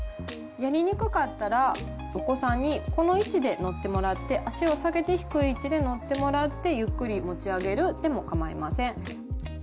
やりにくかったらお子さんにこの位置で乗ってもらって脚を下げて低い位置で乗ってもらってゆっくり持ち上げるでも構いません。